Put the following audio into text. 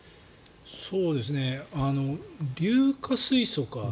そうですね、硫化水素か。